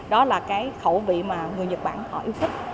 đó là khẩu vị mà người nhật bản yêu thích